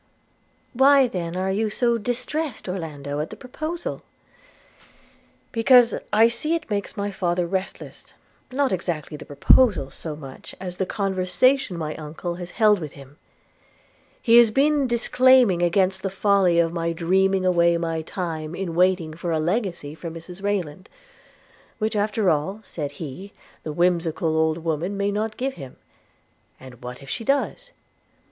'Why then are you so distrest, Orlando, at the proposal?' 'Because I see it makes my father restless – not exactly the proposal, so much as the conversation my uncle has held with him. – He has been declaiming against the folly of my dreaming away my time in waiting for a legacy from Mrs Rayland; which after all, said he, the whimsical old woman may not give him – and what if she does?